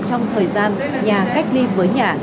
trong thời gian nhà cách ly với nhà